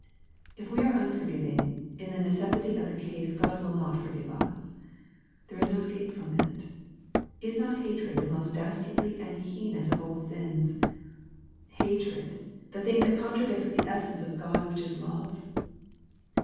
If we are unforgiv ing, in the necessity of the case God will not for give us. There is no escape from it. Is not hatred the most dastardly and heinous of all sins hatred, the thing that contradicts the essence of THE PLANE OF PEAYEE 97 God which is love